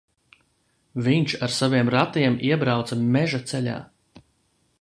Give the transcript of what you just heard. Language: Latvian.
Viņš ar saviem ratiem iebrauca meža ceļā.